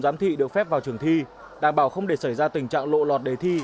giám thị được phép vào trường thi đảm bảo không để xảy ra tình trạng lộ lọt đề thi